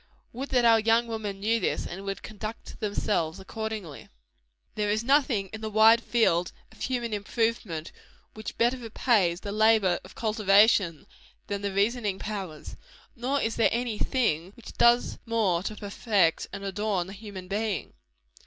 Would that our young women knew this, and would conduct themselves accordingly! There is nothing in the wide field of human improvement which better repays the labor of cultivation, than the reasoning powers. Nor is there any thing which does more to perfect and adorn the human being.